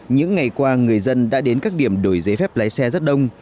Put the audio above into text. những ngày qua người dân đã đến các điểm đổi giấy phép lái xe rất đông